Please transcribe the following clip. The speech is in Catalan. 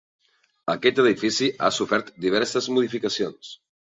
Aquest edifici ha sofert diverses modificacions.